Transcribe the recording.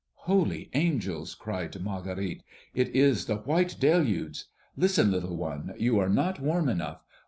"Holy angels!" cried Marguerite; "it is the white deluge! Listen, little one: you are not warm enough.